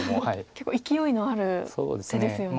結構いきおいのある手ですよね。